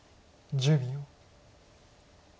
１０秒。